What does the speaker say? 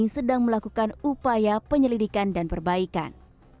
sedang melakukan upaya penyelidikan dan perbaikan